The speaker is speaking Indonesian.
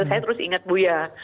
saya terus inget bu ya